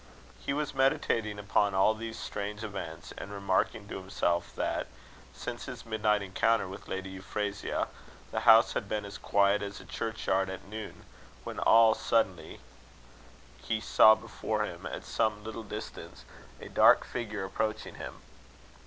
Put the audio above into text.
He was meditating upon all these strange events, and remarking to himself that, since his midnight encounter with Lady Euphrasia, the house had been as quiet as a church yard at noon, when all suddenly, he saw before him, at some little distance, a dark figure approaching him.